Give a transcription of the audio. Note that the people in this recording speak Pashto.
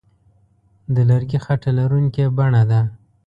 د لرګي خټه لرونکې بڼه ده.